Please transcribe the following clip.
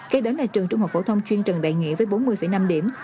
kế đến là trường trung học phổ thông chuyên trần đại nghĩa với bốn mươi năm điểm